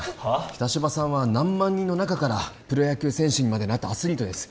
北芝さんは何万人の中からプロ野球選手にまでなったアスリートです